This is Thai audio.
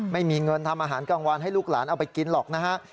ไม่มีเงินทำอาหารกลางวันให้ลูกหลานเอาไปกินหรอกนะฮะ